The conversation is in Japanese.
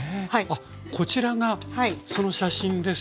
あっこちらがその写真ですよね？